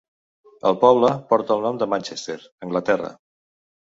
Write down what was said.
El poble porta el nom de Manchester, Anglaterra.